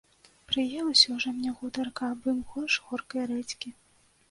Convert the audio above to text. Прыелася ўжо мне гутарка аб ім горш горкай рэдзькі.